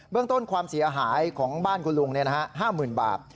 เบื้องต้นความเสียหายของบ้านคุณลุงห้าหมื่นบาท